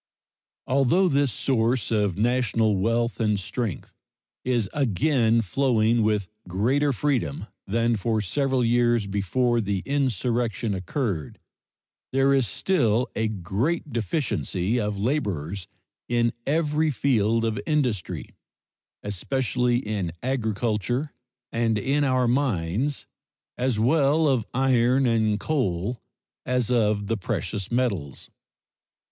Although this source of national wealth and strength is again flowing with greater freedom than for several years before the insurrection occurred, there is still a great deficiency of laborers in every field of industry, especially in agriculture and in our mines, as well of iron and coal as of the precious metals.